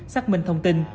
xác minh thông tin